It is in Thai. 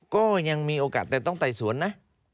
ก็ยังมีโอกาสแต่ต้องไต่สวนนะ